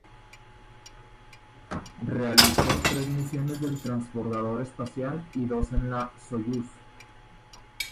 Realizó tres misiones del transbordador espacial y dos en la Soyuz.